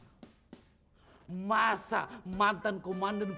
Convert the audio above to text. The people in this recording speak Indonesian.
get a dance plan jeruk datame beli di kota gua